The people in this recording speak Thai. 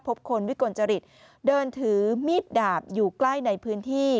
พบคนวิกลจริตเดินถือมีดดาบอยู่ใกล้ในพื้นที่